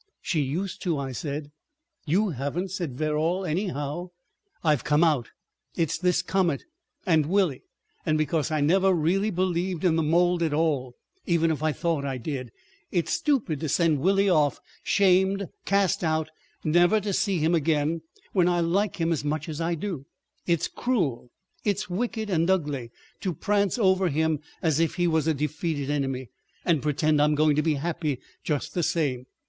"She used to," I said. "You haven't," said Verrall, "anyhow." "I've come out. It's this comet. And Willie. And because I never really believed in the mold at all—even if I thought I did. It's stupid to send Willie off—shamed, cast out, never to see him again—when I like him as much as I do. It is cruel, it is wicked and ugly, to prance over him as if he was a defeated enemy, and pretend I'm going to be happy just the same.